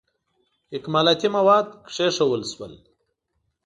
اکمالاتي مواد کښېښودل شول.